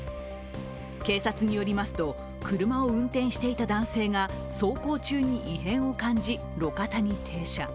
警察によりますと車を運転していた男性が走行中に異変を感じ、路肩に停車。